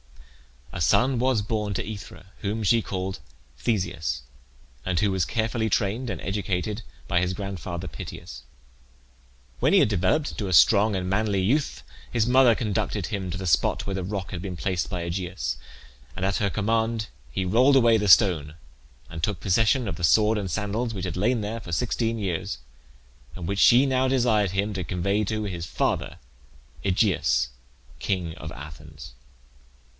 A son was born to Aethra, whom she called Theseus, and who was carefully trained and educated by his grandfather Pittheus. When he had developed into a strong and manly youth his mother conducted him to the spot where the rock had been placed by Aegeus, and at her command he rolled away the stone, and took possession of the sword and sandals which had lain there for sixteen years, and which she now desired him to convey to his father Aegeus, king of Athens.